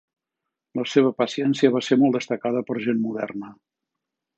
La seva paciència va ser molt destacada per gent moderna.